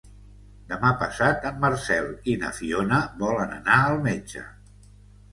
Demà passat en Marcel i na Fiona volen anar al metge.